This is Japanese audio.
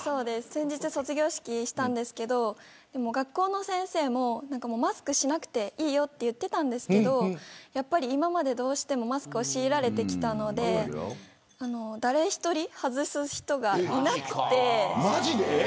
卒業式したんですけど学校の先生もマスクしなくていいよと言ってたんですけど今までどうしてもマスクを強いられてきたので誰一人、外す人がいなくて。